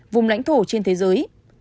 vùng lãnh thổ trên thế giới